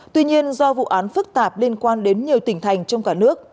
tuy nhiên do vụ án phức tạp liên quan đến nhiều tỉnh thành trong cả nước